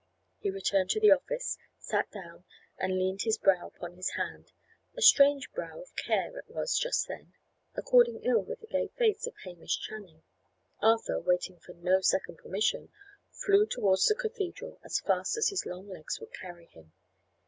He returned to the office, sat down and leaned his brow upon his hand. A strange brow of care it was just then, according ill with the gay face of Hamish Channing. Arthur, waiting for no second permission, flew towards the cathedral as fast as his long legs would carry him.